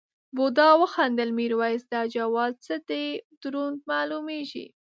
بوډا وخندل میرويس دا جوال څه دی دروند مالومېږي.